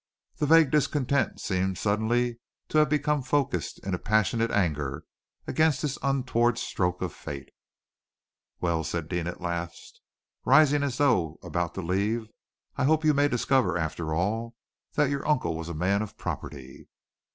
The vague discontent seemed suddenly to have become focussed in a passionate anger against this untoward stroke of fate. "Well," said Deane at length, rising as though about to leave, "I hope you may discover, after all, that your uncle was a man of property."